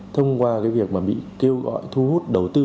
thông qua việc bị kêu gọi thu hút đầu tư